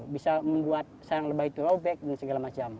bisa membuat sarang lebah itu robek dan segala macam